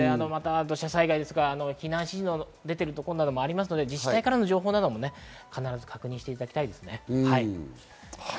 土砂災害とか避難指示の出ているところもありますので、自治体からの情報なども必ず確認してください。